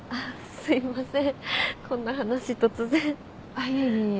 すいません。